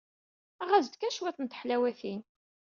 Aɣ-as-d kan cwiṭ n teḥlawatin.